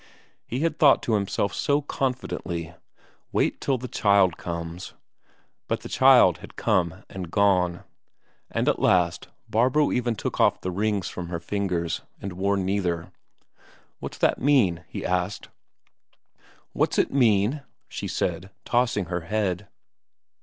He had thought to himself so confidently: wait till the child comes! But the child had come and gone. And at last Barbro even took off the rings from her fingers, and wore neither. "What's that mean?" he asked. "What's it mean?" she said, tossing her head.